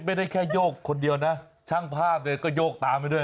ไม่ได้แค่โยกคนเดียวนะช่างภาพเนี่ยก็โยกตามไปด้วย